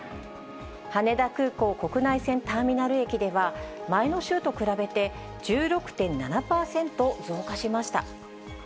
羽田空港国内線ターミナル駅では、前の週と比べて、１６．７％増加しました。